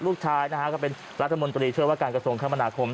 ลูกชายนะฮะก็เป็นรัฐมนตรีช่วยว่าการกระทรวงคมนาคม